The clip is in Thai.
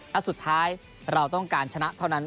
และสุดท้ายเราต้องการชนะเท่านั้น